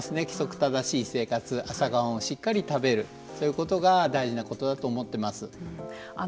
規則正しい生活朝ごはんをしっかり食べるそういうことが大事なことだと思ってます。